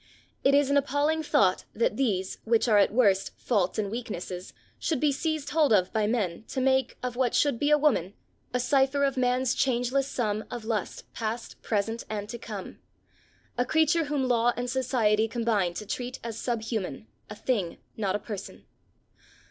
It is an appalling thought that these, which are, at worst, faults and weaknesses, should be seized hold of by men, to make, of what should be a woman— "A cipher of man's changeless sum Of lust, past, present and to come," a creature whom law and society combine to treat as subhuman, a thing, not a person.